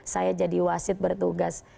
saya jadi wasit bertugas